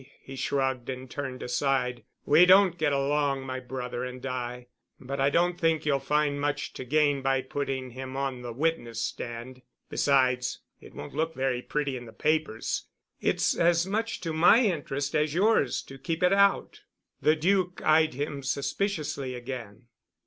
He shrugged and turned aside. "We don't get along, my brother and I, but I don't think you'll find much to gain by putting him on the witness stand. Besides, it won't look very pretty in the papers. It's as much to my interest as yours to keep it out." The Duc eyed him suspiciously again.